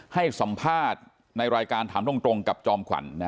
ให้สัมภาษณ์ในรายการถามตรงกับจอมขวัญ